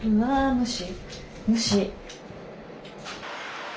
無視？